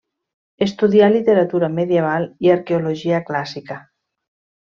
Estudià Literatura Medieval i Arqueologia clàssica.